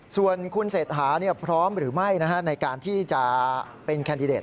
ส่วนคุณเศรษฐาพร้อมหรือไม่ในการที่จะเป็นแคนดิเดต